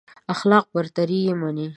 اخلاقي برتري يې مني.